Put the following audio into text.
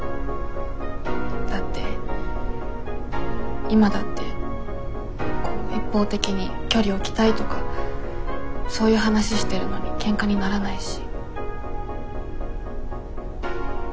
だって今だってこう一方的に距離置きたいとかそういう話してるのにケンカにならないし。